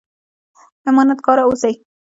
امانت کاره اوسئ